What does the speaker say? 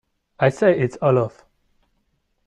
I say, it's all off.